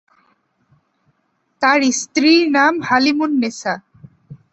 তার স্ত্রীর নাম হালিমুন্নেছা।